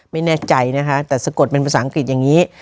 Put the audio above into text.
ไม่แน่ใจนะคะแต่สะกดเป็นภาษาอังกฤษอย่างนี้